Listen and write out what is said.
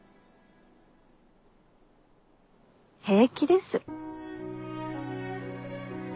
平気です。